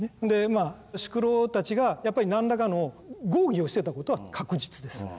でまあ宿老たちがやっぱり何らかの合議をしてたことは確実です。